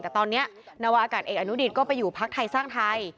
แต่ตอนนี้นวาอากาศเอกอนุดิตก็ไปอยู่พักไทยสร้างไทย